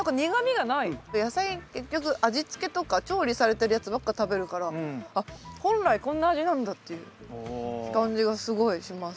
野菜結局味付けとか調理されてるやつばっか食べるから本来こんな味なんだっていう感じがすごいします。